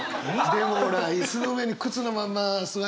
でもほら椅子の上に靴のまま座っちゃってね。